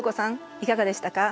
いかがでしたか？